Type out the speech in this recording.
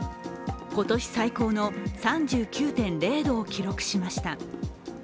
今年最高の３９．０度を記録しました。